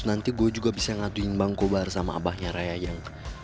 tidak ada yang bisa ngaduin bang koba bersama abahnya raya yang